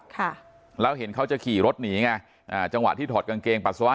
ค่ะแล้วเห็นเขาจะขี่รถหนีไงอ่าจังหวะที่ถอดกางเกงปัสสาวะ